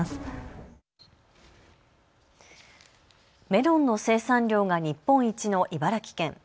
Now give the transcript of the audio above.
メロンの生産量が日本一の茨城県。